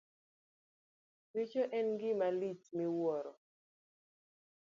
Richo en gima lich miwuoro.